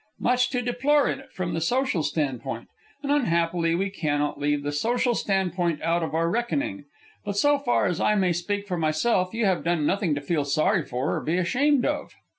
"Much to deplore in it from the social stand point. And unhappily, we cannot leave the social stand point out of our reckoning. But so far as I may speak for myself, you have done nothing to feel sorry for or be ashamed of."